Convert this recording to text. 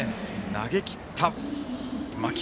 投げきった、間木。